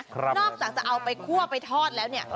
นอกจากจะเอาไปคั่วไปทอดแล้วเนี่ย